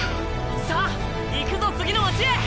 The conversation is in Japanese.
さあ行くぞ次の町へ。